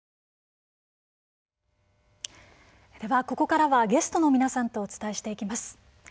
ここからは、ゲストの皆さんとお伝えしてまいります。